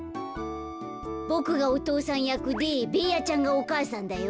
ボクがおとうさんやくでベーヤちゃんがおかあさんだよ。